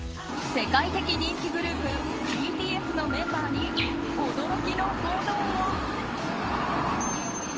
世界的人気グループＢＴＳのメンバーに驚きの報道が。